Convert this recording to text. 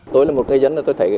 tôi là một người dân tôi thấy